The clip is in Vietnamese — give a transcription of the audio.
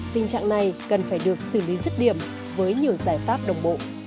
tình trạng này cần phải được sử dụng